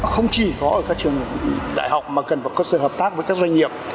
không chỉ có ở các trường đại học mà cần phải có sự hợp tác với các doanh nghiệp